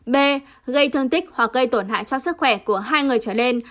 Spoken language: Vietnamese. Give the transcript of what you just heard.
b gây thương tích hoặc gây tổn hại cho sức khỏe của hai người trở lên